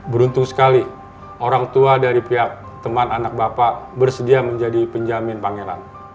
beruntung sekali orang tua dari pihak teman anak bapak bersedia menjadi penjamin pangeran